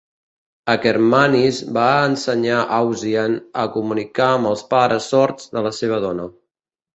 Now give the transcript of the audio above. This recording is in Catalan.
Akermanis va ensenyar Ausian a comunicar amb els pares sords de la seva dona.